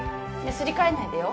すり替えないでよ。